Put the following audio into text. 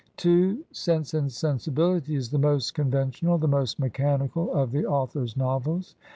n "Sense and Sensibility " is the most conventional, the most mechanical of the author's novels.